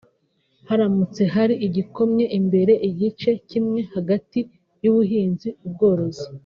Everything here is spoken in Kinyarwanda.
Haramutse hari igikomye imbere igice kimwe hagati y’ubuhinzi-ubworozi